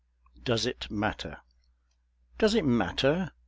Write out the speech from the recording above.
DOES IT MATTER? Does it matter?